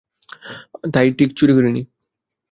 তাই ঠিক চুরি করিনি।